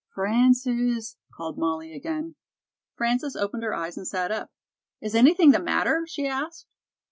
"Frances," called Molly again. Frances opened her eyes and sat up. "Is anything the matter?" she asked.